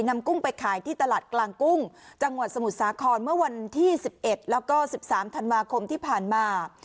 กุ้งไปขายที่ตลาดกลางกุ้งจังหวัดสมุทรสาครเมื่อวันที่๑๑แล้วก็๑๓ธันวาคมที่ผ่านมา